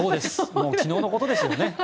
もう昨日のことですよね。